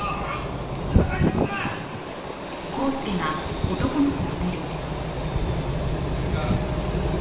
こっちは大丈夫だ！っていうか